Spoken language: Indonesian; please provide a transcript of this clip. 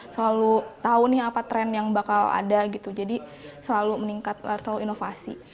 selalu tahu nih apa tren yang bakal ada gitu jadi selalu meningkat selalu inovasi